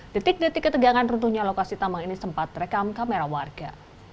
detik detik ketegangan runtuhnya lokasi tambang ini sempat rekam kamera warga